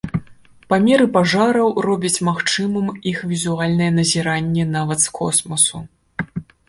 Памеры пажараў робяць магчымым іх візуальнае назіранне нават з космасу.